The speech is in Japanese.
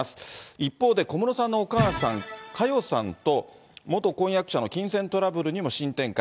一方で小室さんのお母さん、佳代さんと、元婚約者の金銭トラブルにも新展開。